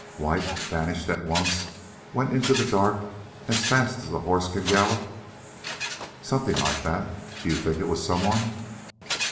"White vanished at once went into the dark as fast as a horse can gallop?" "Something like that. Do you think it was someone?"